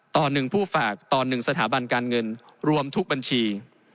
ต่อ๑ผู้ฝากต่อ๑สถาบันการเงินรวมทุกบัญชี